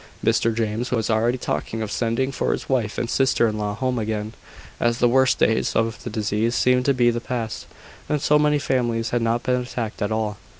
Mr James was already talking of sending for his wife and sister in law home again, as the worst days of the disease seemed to be past, and so many families had not been attacked at all.